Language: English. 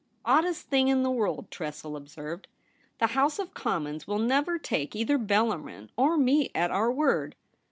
' Oddest thing in the world,' Tressel ob served ;' the House of Commons will never take either Bellarmin or me at our word.